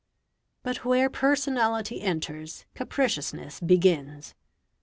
But where personality enters, capriciousness begins.